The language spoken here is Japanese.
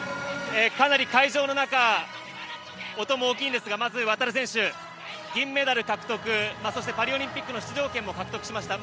かなり会場の中音も大きいんですが、まず航選手銀メダル獲得そしてパリオリンピック出場権も獲得しました。